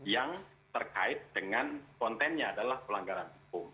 yang terkait dengan kontennya adalah pelanggaran hukum